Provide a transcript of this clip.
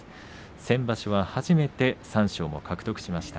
先場所は初めて三賞も獲得しました。